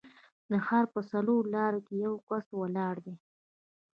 د ښار په څلورلارې کې یو کس ولاړ دی.